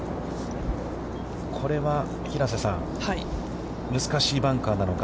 これは、平瀬さん、難しいバンカーなのか。